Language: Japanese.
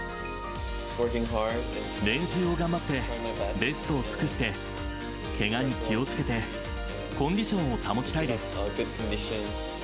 練習を頑張って、ベストを尽くして、けがに気をつけて、コンディションを保ちたいです。